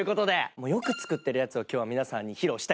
もうよく作ってるやつを今日は皆さんに披露したいなと思います。